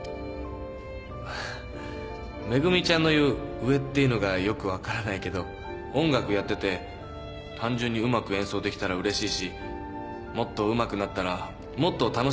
恵ちゃんの言う「上」っていうのがよく分からないけど音楽やってて単純にうまく演奏できたらうれしいしもっとうまくなったらもっと楽しいんじゃないかなって。